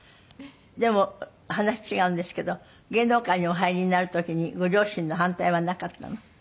でも話違うんですけど芸能界にお入りになる時にご両親の反対はなかったの？